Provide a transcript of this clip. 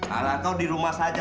arah kau di rumah saja